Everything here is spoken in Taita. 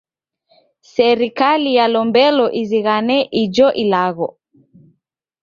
Serikali yalombelo izighane ijo ilagho.